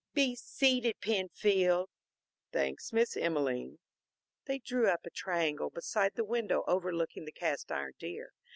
"Be seated, Penfield." "Thanks, Miss Emelene." They drew up in a triangle beside the window overlooking the cast iron deer.